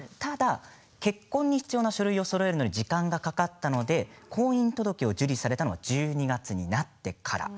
結婚に必要な書類をそろえるのに時間がかかったので婚姻届が受理されたのは１２月になってから。